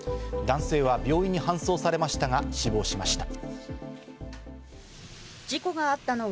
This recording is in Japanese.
男性は病院に搬送されましたが死亡しました。